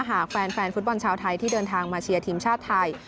หากแฟนฟุตบอลชาวไทยที่เดินทางมาเชียร์ทีมชาติไทย